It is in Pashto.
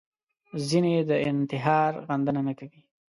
ځینې د انتحار غندنه نه کوي